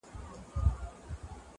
د هندو له کوره هم قران را ووت ,